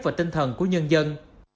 và tinh thần của nhân dân